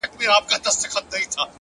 پرمختګ دوامداره حرکت غواړي!